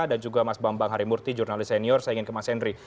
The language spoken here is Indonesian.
dan juga mas bambang harimurti jurnalis senior saya ingin ke mas hendri